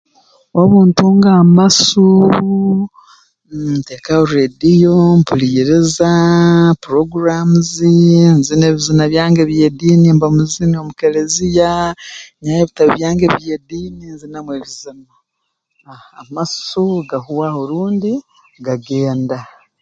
Obu ntunga amasuuu nteekaho rreediyoo mpuliirizaa programmes nzina ebizina byange by'ediini mba muzini omu keleziya nyihayo ebitabu byange eby'ediini nzinamu ebizina ah amaso gahwaho rundi gagenda